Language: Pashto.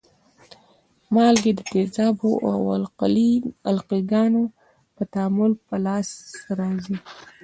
مالګې د تیزابو او القلي ګانو په تعامل په لاس راځي.